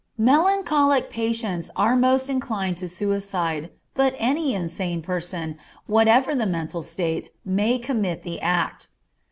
Melancholic patients are most inclined to suicide, but any insane person, whatever the mental state, may commit the act.